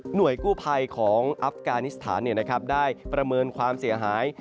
กู้ภัยของอัฟกานิสถานได้ประเมินความเสียหาย